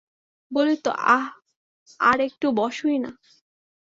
বলিত, আঃ, আর-একটু বসোই-না।